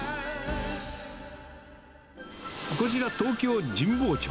こちら、東京・神保町。